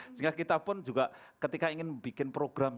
sehingga kita pun juga ketika ingin bikin program